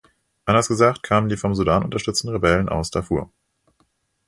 Anders gesagt kamen die vom Sudan unterstützten Rebellen aus Darfur.